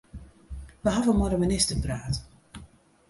Wy hawwe mei de minister praat.